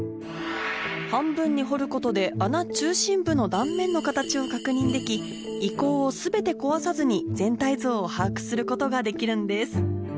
半分に掘ることで穴中心部の断面の形を確認でき遺構を全て壊さずに全体像を把握することができるんです